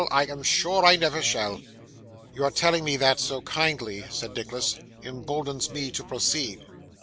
I am sure I never shall.' 'Your telling me that so kindly,' said Nicholas, 'emboldens me to proceed.